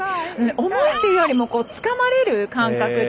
重いというよりもつかまれる感覚で。